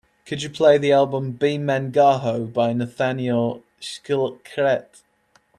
Could you play the album B Men Gahō by Nathaniel Shilkret